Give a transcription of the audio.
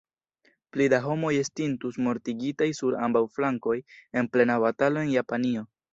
Pli da homoj estintus mortigitaj sur ambaŭ flankoj en plena batalo en Japanio.